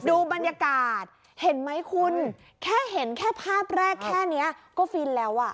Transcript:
ดูบรรยากาศเห็นไหมคุณแค่เห็นแค่ภาพแรกแค่นี้ก็ฟินแล้วอ่ะ